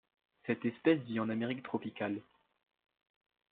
Cette espèce vit en Amérique tropicale.